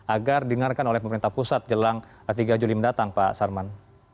agar didengarkan oleh pemerintah pusat jelang tiga juli mendatang pak sarman